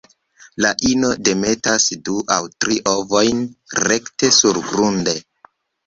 La ino demetas du aŭ tri ovojn rekte surgrunde.